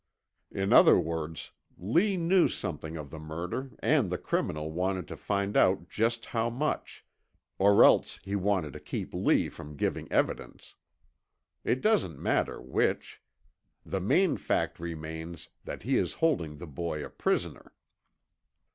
In other words, Lee knew something of the murder and the criminal wanted to find out just how much, or else he wanted to keep Lee from giving evidence. It doesn't matter which. The main fact remains, that he is holding the boy a prisoner.